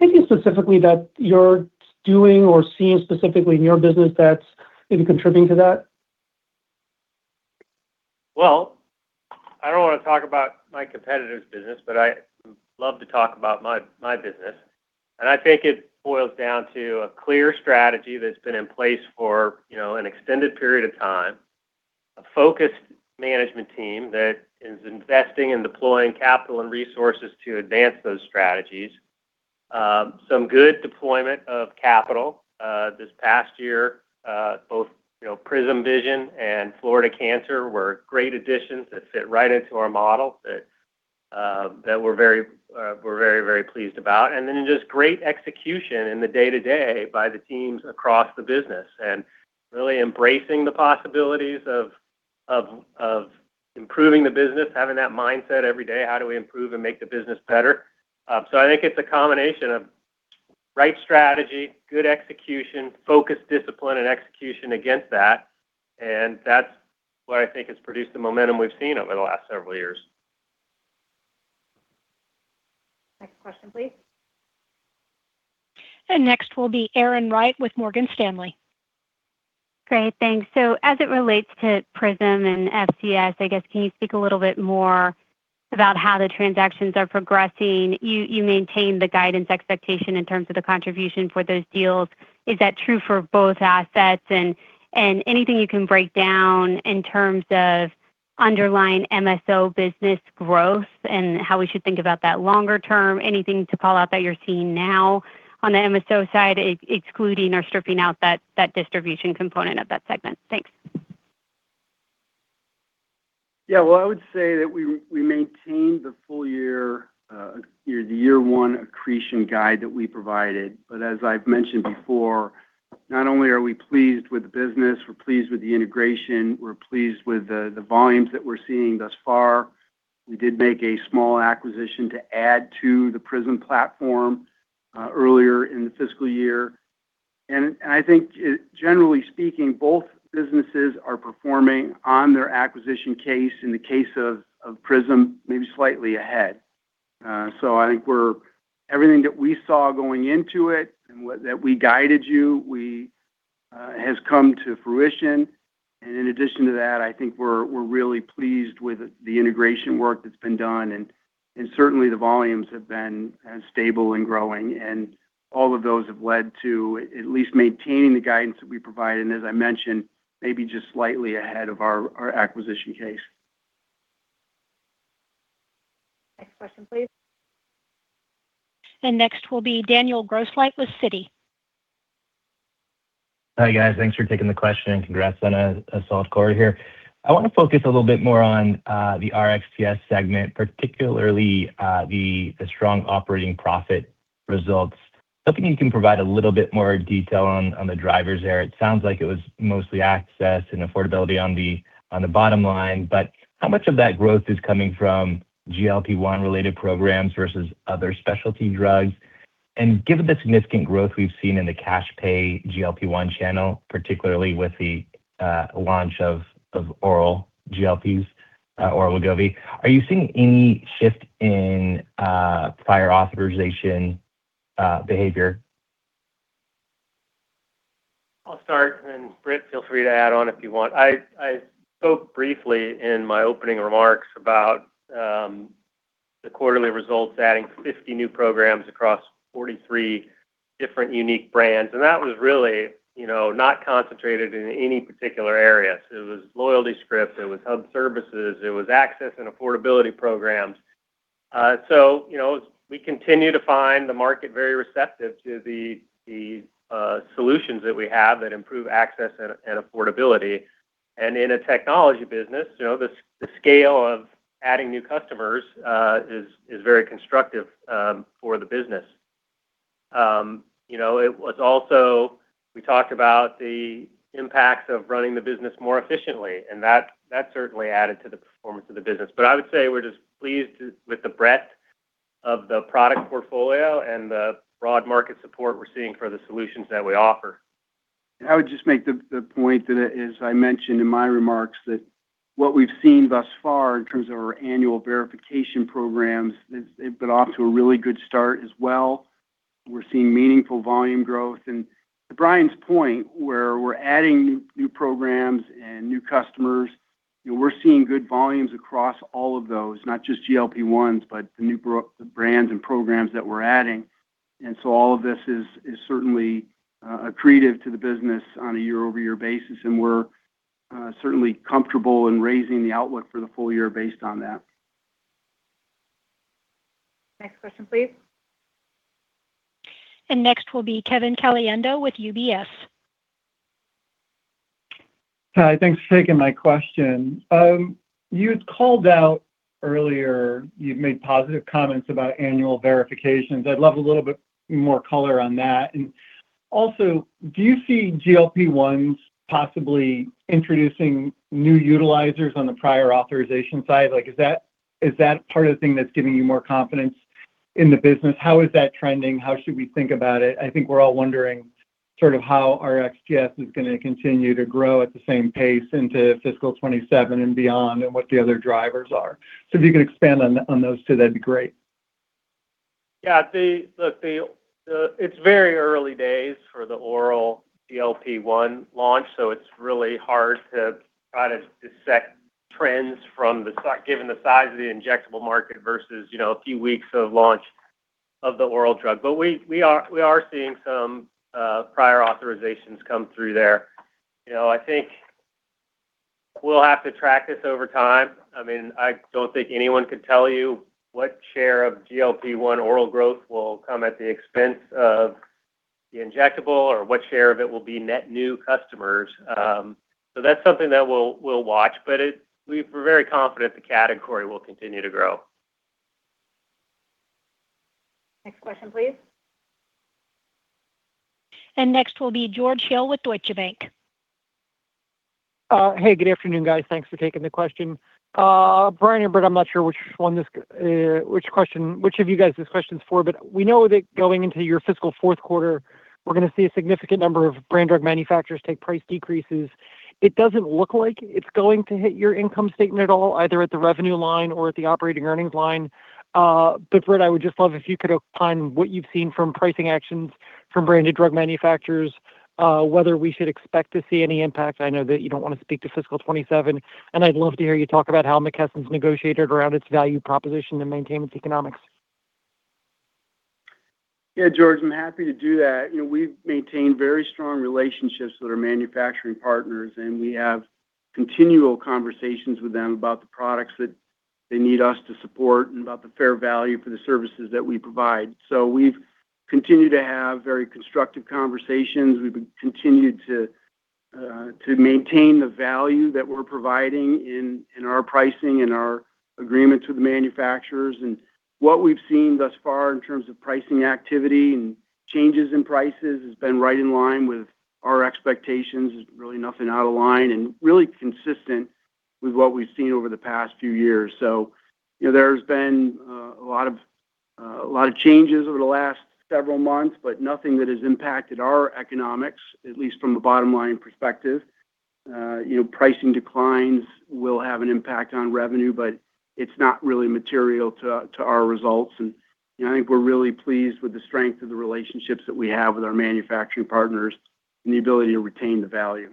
Anything specifically that you're doing or seeing specifically in your business that's maybe contributing to that? Well, I don't want to talk about my competitor's business, but I love to talk about my business. And I think it boils down to a clear strategy that's been in place for an extended period of time, a focused management team that is investing and deploying capital and resources to advance those strategies, some good deployment of capital. This past year, both PRISM Vision and Florida Cancer were great additions that fit right into our model that we're very, very pleased about. And then just great execution in the day-to-day by the teams across the business and really embracing the possibilities of improving the business, having that mindset every day, "How do we improve and make the business better?" So I think it's a combination of right strategy, good execution, focused discipline, and execution against that. And that's what I think has produced the momentum we've seen over the last several years. Next question, please. And next will be Erin Wright with Morgan Stanley. Great. Thanks. So as it relates to PRISM and FCS, I guess, can you speak a little bit more about how the transactions are progressing? You maintain the guidance expectation in terms of the contribution for those deals. Is that true for both assets? Anything you can break down in terms of underlying MSO business growth and how we should think about that longer-term? Anything to call out that you're seeing now on the MSO side, excluding or stripping out that distribution component of that segment? Thanks. Yeah, well, I would say that we maintained the full-year the year-one accretion guide that we provided. But as I've mentioned before, not only are we pleased with the business, we're pleased with the integration, we're pleased with the volumes that we're seeing thus far. We did make a small acquisition to add to the PRISM platform earlier in the fiscal year. And I think, generally speaking, both businesses are performing on their acquisition case, in the case of PRISM, maybe slightly ahead. So I think everything that we saw going into it and that we guided you has come to fruition. In addition to that, I think we're really pleased with the integration work that's been done. Certainly, the volumes have been stable and growing. And all of those have led to at least maintaining the guidance that we provided, and as I mentioned, maybe just slightly ahead of our acquisition case. Next question, please. Next will be Daniel Grosslight with Citi. Hi, guys. Thanks for taking the question, and congrats on a strong quarter here. I want to focus a little bit more on the RxTS segment, particularly the strong operating profit results. If you can provide a little bit more detail on the drivers there. It sounds like it was mostly access and affordability on the bottom line. But how much of that growth is coming from GLP-1-related programs versus other specialty drugs? And given the significant growth we've seen in the cash-pay GLP-1 channel, particularly with the launch of oral GLPs, oral Wegovy, are you seeing any shift in prior authorization behavior? I'll start, and then Britt, feel free to add on if you want. I spoke briefly in my opening remarks about the quarterly results adding 50 new programs across 43 different unique brands. And that was really not concentrated in any particular area. So it was loyalty scripts. It was hub services. It was access and affordability programs. So we continue to find the market very receptive to the solutions that we have that improve access and affordability. And in a technology business, the scale of adding new customers is very constructive for the business. We talked about the impacts of running the business more efficiently, and that certainly added to the performance of the business. But I would say we're just pleased with the breadth of the product portfolio and the broad market support we're seeing for the solutions that we offer. And I would just make the point that, as I mentioned in my remarks, that what we've seen thus far in terms of our annual verification programs, they've been off to a really good start as well. We're seeing meaningful volume growth. And to Brian's point, where we're adding new programs and new customers, we're seeing good volumes across all of those, not just GLP-1s, but the new brands and programs that we're adding. And so all of this is certainly accretive to the business on a year-over-year basis. And we're certainly comfortable in raising the outlook for the full year based on that. Next question, please. And next will be Kevin Caliendo with UBS. Hi. Thanks for taking my question. You had called out earlier you've made positive comments about annual verifications. I'd love a little bit more color on that. And also, do you see GLP-1s possibly introducing new utilizers on the prior authorization side? Is that part of the thing that's giving you more confidence in the business? How is that trending? How should we think about it? I think we're all wondering sort of how RxTS is going to continue to grow at the same pace into fiscal 2027 and beyond and what the other drivers are. So if you can expand on those two, that'd be great. Yeah. Look, it's very early days for the oral GLP-1 launch, so it's really hard to try to dissect trends given the size of the injectable market versus a few weeks of launch of the oral drug. But we are seeing some prior authorizations come through there. I think we'll have to track this over time. I mean, I don't think anyone could tell you what share of GLP-1 oral growth will come at the expense of the injectable or what share of it will be net new customers. So that's something that we'll watch. But we're very confident the category will continue to grow. Next question, please. And next will be George Hill with Deutsche Bank. Hey, good afternoon, guys. Thanks for taking the question. Brian and Britt, I'm not sure which one of you guys this question is for. But we know that going into your fiscal fourth quarter, we're going to see a significant number of brand drug manufacturers take price decreases. It doesn't look like it's going to hit your income statement at all, either at the revenue line or at the operating earnings line. But Britt, I would just love if you could opine what you've seen from pricing actions from branded drug manufacturers, whether we should expect to see any impact. I know that you don't want to speak to fiscal 2027. And I'd love to hear you talk about how McKesson's negotiated around its value proposition and maintenance economics. Yeah, George, I'm happy to do that. We've maintained very strong relationships with our manufacturing partners, and we have continual conversations with them about the products that they need us to support and about the fair value for the services that we provide. So we've continued to have very constructive conversations. We've continued to maintain the value that we're providing in our pricing and our agreements with the manufacturers. And what we've seen thus far in terms of pricing activity and changes in prices has been right in line with our expectations. There's really nothing out of line and really consistent with what we've seen over the past few years. So there's been a lot of changes over the last several months, but nothing that has impacted our economics, at least from a bottom-line perspective. Pricing declines will have an impact on revenue, but it's not really material to our results. And I think we're really pleased with the strength of the relationships that we have with our manufacturing partners and the ability to retain the value.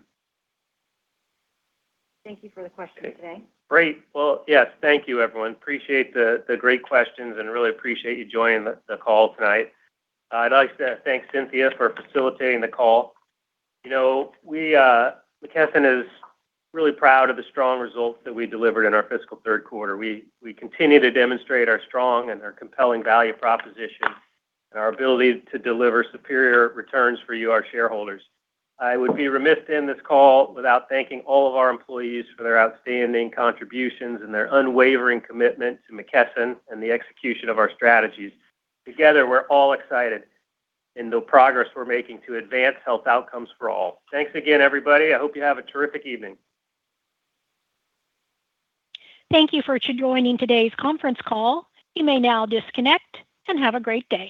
Thank you for the question today. Great. Well, yes, thank you, everyone. Appreciate the great questions and really appreciate you joining the call tonight. I'd like to thank Cynthia for facilitating the call. McKesson is really proud of the strong results that we delivered in our fiscal third quarter. We continue to demonstrate our strong and our compelling value proposition and our ability to deliver superior returns for you, our shareholders. I would be remiss to end this call without thanking all of our employees for their outstanding contributions and their unwavering commitment to McKesson and the execution of our strategies. Together, we're all excited in the progress we're making to advance health outcomes for all. Thanks again, everybody. I hope you have a terrific evening. Thank you for joining today's conference call. You may now disconnect and have a great day.